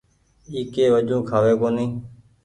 اي ڪي وجون کآوي ڪونيٚ ۔